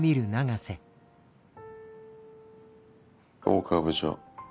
大河部長。